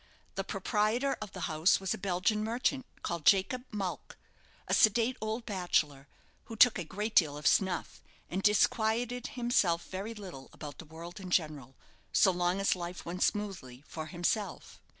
The proprietor of the house was a Belgian merchant, called Jacob Mulck a sedate old bachelor, who took a great deal of snuff, and Disquieted himself very little about the world in general, so long as life went smoothly for himself.